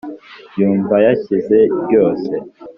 yumva yakize ryose